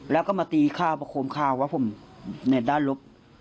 แล้วก็มาตีข้าวประโคมข้าวว่าผมเน็ตด้านลบ